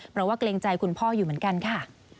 เพราะว่าเกรงใจคุณพ่ออยู่เหมือนกันค่ะ